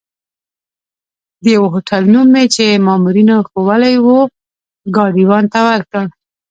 د یوه هوټل نوم مې چې مامورینو ښوولی وو، ګاډیوان ته ورکړ.